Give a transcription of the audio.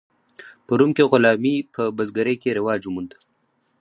په روم کې غلامي په بزګرۍ کې رواج وموند.